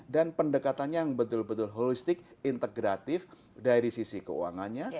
dan pendekatannya yang betul betul holistik integratif dari sisi keuangannya